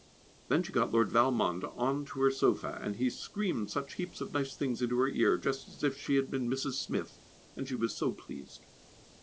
Then she got Lord Valmond on to her sofa, and he screamed such heaps of nice things into her ear, just as if she had been Mrs. Smith, and she was so pleased.